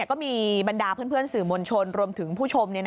ก็มีบรรดาเพื่อนสื่อมวลชนรวมถึงผู้ชม